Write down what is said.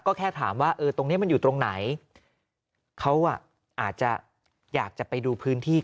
ก็แค่ถามว่าเออตรงเนี้ยมันอยู่ตรงไหนเขาอ่ะอาจจะอยากจะไปดูพื้นที่